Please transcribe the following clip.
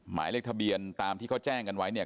หมายเลขทะเบียนตามที่เขาแจ้งกันไว้เนี่ย